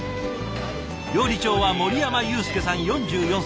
料理長は森山裕介さん４４歳。